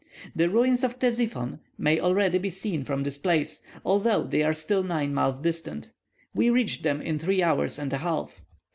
The ruins of Ctesiphon may already be seen from this place, although they are still nine miles distant. We reached them in three hours and a half.